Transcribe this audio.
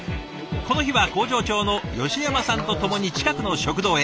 この日は工場長の吉山さんと共に近くの食堂へ。